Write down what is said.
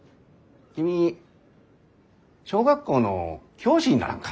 君小学校の教師にならんか？